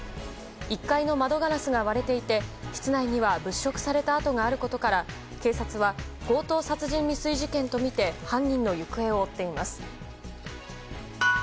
１階の窓ガラスが割れていて室内には物色された跡があることから警察は、強盗殺人未遂事件とみて犯人の行方を追っています。